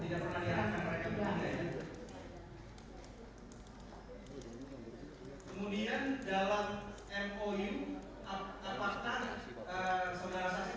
ada tambahan keterangan dari saudara saksi yang ditambahkan di persidangan ini